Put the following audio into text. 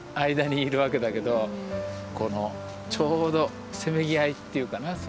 間にいるわけだけどこのちょうどせめぎ合いっていうかな